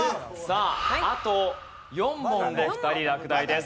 あと４問で２人落第です。